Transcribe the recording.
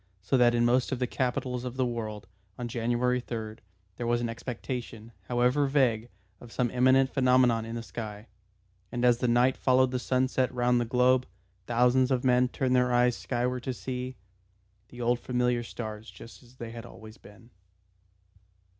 So that in most of the capitals of the world, on January 3rd, there was an expectation, however vague of some imminent phenomenon in the sky; and as the night followed the sunset round the globe, thousands of men turned their eyes skyward to see the old familiar stars just as they had always been.